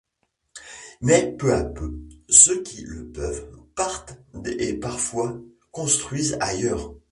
Mais peu à peu, ceux qui le peuvent, partent et parfois construisent ailleurs.